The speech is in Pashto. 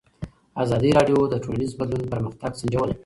ازادي راډیو د ټولنیز بدلون پرمختګ سنجولی.